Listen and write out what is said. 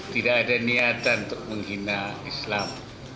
tidak ada niatan untuk menghina islam